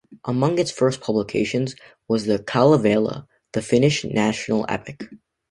Among its first publications was the "Kalevala", the Finnish national epic.